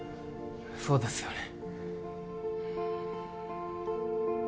そうですよね。